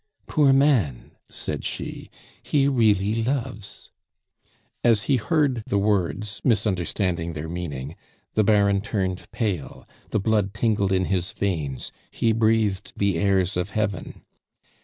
"Poor man!" said she, "he really loves." As he heard the words, misunderstanding their meaning, the Baron turned pale, the blood tingled in his veins, he breathed the airs of heaven.